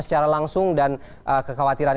secara langsung dan kekhawatiran